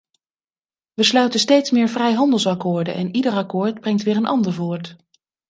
We sluiten steeds meer vrijhandelsakkoorden en ieder akkoord brengt weer een ander voort.